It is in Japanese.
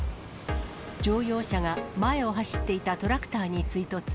乗用車が、前を走っていたトラクターに追突。